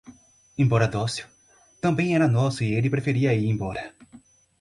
Embora dócil, também era nosso e ele preferia ir embora.